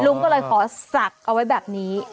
ลุงก็เลยขอศักดิ์เอาไว้แบบนี้